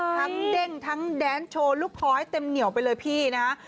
เด้งทั้งแดนโชว์ลูกคอให้เต็มเหนียวไปเลยพี่นะฮะ